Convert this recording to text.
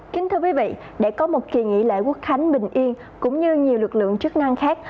kính thưa quý vị để có một kỳ nghỉ lễ quốc khánh bình yên cũng như nhiều lực lượng chức năng khác